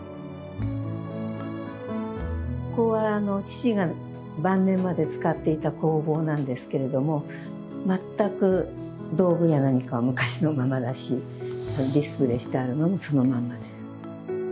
ここは父が晩年まで使っていた工房なんですけれども全く道具や何かは昔のままだしディスプレーしてあるのもそのまんまです。